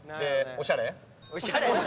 おしゃれ。